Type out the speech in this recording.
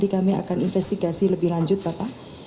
kami akan investigasi lebih lanjut bapak